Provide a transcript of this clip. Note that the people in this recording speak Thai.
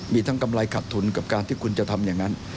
มีทั้งกำไรขัดทุนกับการที่คุณจะทำอย่างนั้น